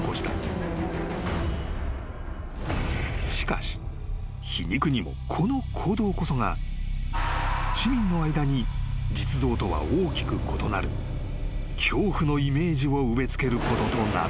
［しかし皮肉にもこの行動こそが市民の間に実像とは大きく異なる恐怖のイメージを植え付けることとなる］